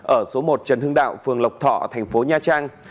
ở số một trần hưng đạo phường lộc thọ thành phố nha trang